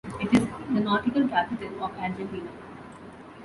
It is the nautical capital of Argentina.